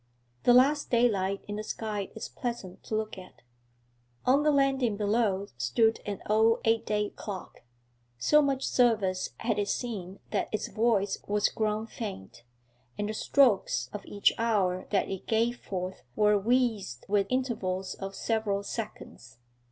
'The last daylight in the sky is pleasant to look at.' On the landing below stood an old eight day clock. So much service had it seen that its voice was grown faint, and the strokes of each hour that it gave forth were wheezed with intervals of several seconds.